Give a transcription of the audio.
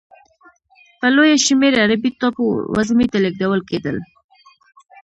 په لویه شمېر عربي ټاپو وزمې ته لېږدول کېدل.